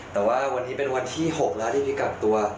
แต่ว่าวันนี้เป็นวันที่๖แล้วที่พี่กักตัว